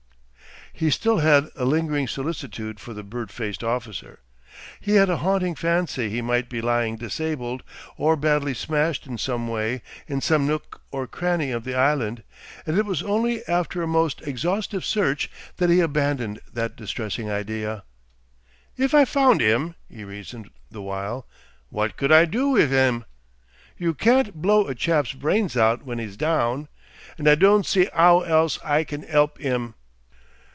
He still had a lingering solicitude for the bird faced officer. He had a haunting fancy he might be lying disabled or badly smashed in some way in some nook or cranny of the Island; and it was only after a most exhaustive search that he abandoned that distressing idea. "If I found 'im," he reasoned the while, "what could I do wiv 'im? You can't blow a chap's brains out when 'e's down. And I don' see 'ow else I can 'elp 'im."